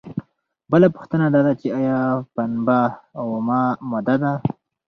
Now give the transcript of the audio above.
بله پوښتنه دا ده چې ایا پنبه اومه ماده ده؟